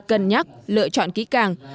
cân nhắc lựa chọn kỹ càng